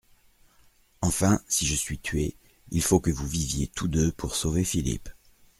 Enfin, si je suis tué, il faut que vous viviez tous deux pour sauver Philippe.